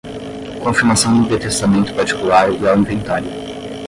confirmação de testamento particular e ao inventário